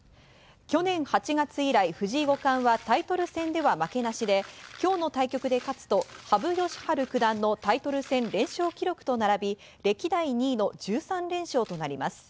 去年８月以来、藤井五冠はタイトル戦では負けなしで、今日の対局で勝つと羽生善治九段のタイトル戦連勝記録と並び歴代２位の１３連勝となります。